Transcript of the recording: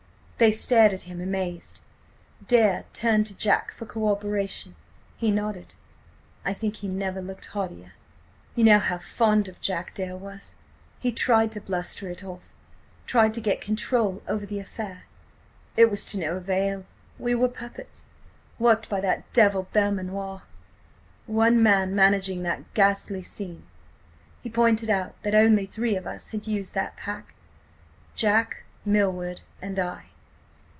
They stared at him, amazed. Dare turned to Jack for corroboration. He nodded. I think he never looked haughtier. ... "You know how fond of Jack Dare was? He tried to bluster it off–tried to get control over the affair. It was to no avail. We were puppets, worked by that devil, Belmanoir! One man managing that ghastly scene. .. He pointed out that only three of us had used that pack: Jack, Milward and I.